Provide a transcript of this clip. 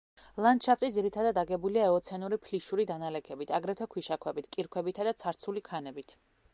ლანდშაფტი ძირითადად აგებულია ეოცენური ფლიშური დანალექებით, აგრეთვე ქვიშაქვებით, კირქვებითა და ცარცული ქანებით.